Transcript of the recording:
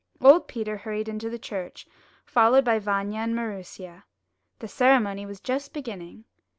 '* Old Peter hurried into the church, followed by Vanya and Maroosia. The ceremony was just beginning.